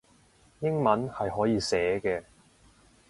英文係可以寫嘅